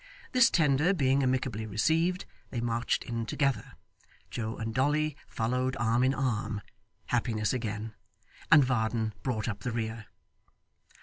This tender being amicably received, they marched in together; Joe and Dolly followed, arm in arm, (happiness again!) and Varden brought up the rear.